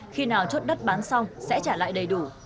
khi nào chốt đất bán xong sẽ trả lại đầy đủ